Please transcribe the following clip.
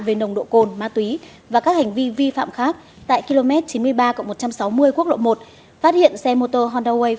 về nồng độ cồn ma túy và các hành vi vi phạm khác tại km chín mươi ba một trăm sáu mươi quốc lộ một phát hiện xe mô tô honda way